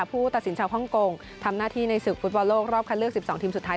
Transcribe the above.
ผู้ตัดสินชาวฮ่องกงทำหน้าที่ในศึกฟุตบอลโลกรอบคัดเลือก๑๒ทีมสุดท้าย